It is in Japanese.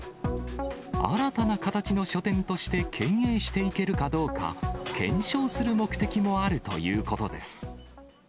新たな形の書店として経営していけるかどうか、検証する目的もあるということです。